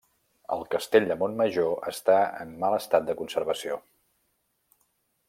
El castell de Montmajor està en mal estat de conservació.